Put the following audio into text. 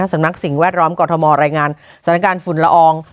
สำนักสิ่งแวดล้อมกรทมรายงานสถานการณ์ฝุ่นละออง